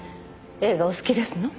映画お好きですの？